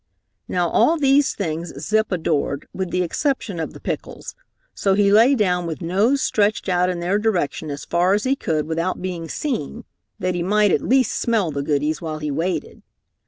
Now all these things Zip adored with the exception of the pickles, so he lay down with nose stretched out in their direction as far as he could without being seen, that he might at least smell the goodies while he waited.